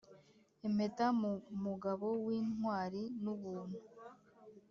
impeta mu mugabo w’intwari n’ubuntu,